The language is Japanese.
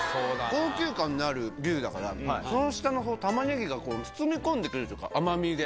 高級感のある牛だから、その下のタマネギが包み込んでくれるというか、甘みで。